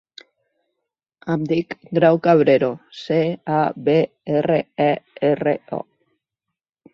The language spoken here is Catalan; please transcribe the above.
Em dic Grau Cabrero: ce, a, be, erra, e, erra, o.